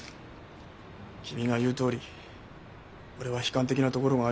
君が言うとおり俺は悲観的なところがあるよ。